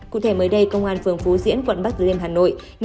cụ thể mới đây công an phường phú diễn quận bắc rêm hà nội